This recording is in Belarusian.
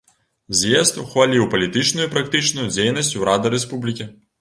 З'езд ухваліў палітычную і практычную дзейнасць урада рэспублікі.